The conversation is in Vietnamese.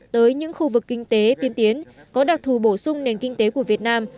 tới những khu vực kinh tế tiên tiến có đặc thù bổ sung nền kinh tế của việt nam